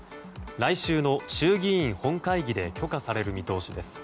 来週の衆議院本会議で許可される見通しです。